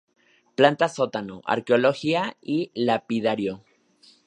Planta sótano: Arqueología y lapidario.